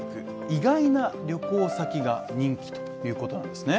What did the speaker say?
意外な旅行先が人気ということなんですね